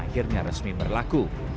ikan akhirnya resmi berlaku